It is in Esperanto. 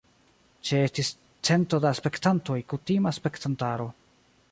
Ĉeestis cento da spektantoj kutima spektantaro.